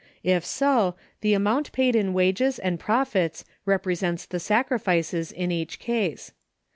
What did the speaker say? If so, the amount paid in wages and profits represents the sacrifices in each case.